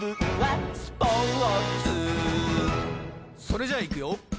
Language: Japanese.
それじゃいくよ